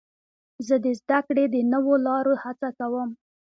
زه د زدهکړې د نوو لارو هڅه کوم.